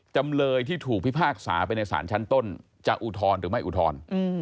จำเลยที่ถูกพิพากษาไปในศาลชั้นต้นจะอุทธรณ์หรือไม่อุทธรณ์